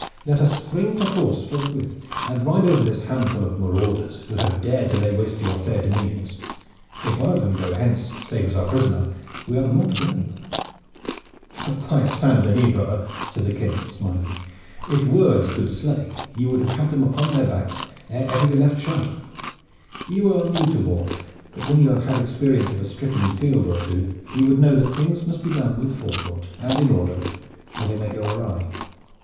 Let us spring to horse forthwith and ride over this handful of marauders who have dared to lay waste your fair dominions. If one of them go hence save as our prisoner we are the more to blame." "By Saint Denis, brother!" said the King, smiling, "if words could slay you would have had them all upon their backs ere ever we left Chartres. You are new to war, but when you have had experience of a stricken field or two you would know that things must be done with forethought and in order or they may go awry.